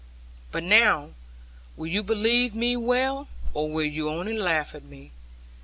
But now, will you believe me well, or will you only laugh at me?